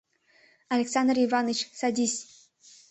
Александр Иваныч, садись.